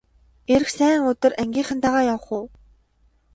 Ирэх сайн өдөр ангийнхантайгаа явах уу!